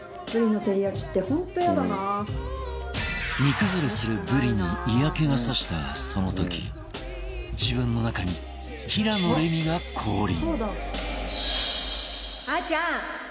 煮崩れするブリに嫌気が差したその時自分の中に平野レミが降臨